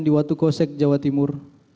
di watu kosek jawa timur